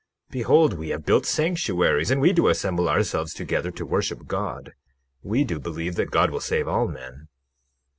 Behold, we have built sanctuaries, and we do assemble ourselves together to worship God. We do believe that God will save all men.